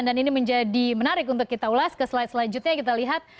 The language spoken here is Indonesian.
dan ini menjadi menarik untuk kita ulas ke slide selanjutnya kita lihat